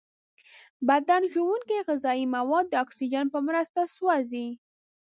بدن ژونکې غذایي مواد د اکسیجن په مرسته سوځوي.